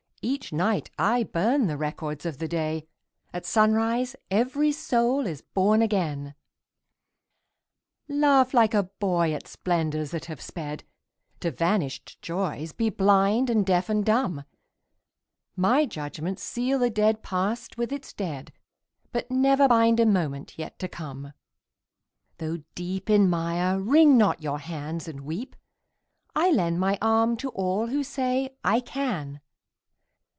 Each night I burn the records of the day, — At sunrise every soul is born again ! Laugh like a boy at splendors that have sped, To vanished joys be blind and deaf and dumb; My judgments seal the dead past with its dead, But never bind a moment yet to come. Though deep in mire, wring not your hands and weep; I lend my arm to all who say "I can!"